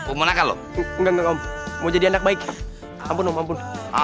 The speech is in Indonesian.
ke manakah lo nggak mau jadi anak baik ampun ampun